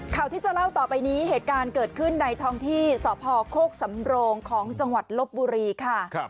ข่าวที่จะเล่าต่อไปนี้เหตุการณ์เกิดขึ้นในท้องที่สพโคกสำโรงของจังหวัดลบบุรีค่ะ